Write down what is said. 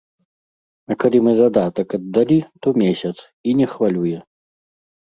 А калі мы задатак аддалі, то месяц, і не хвалюе.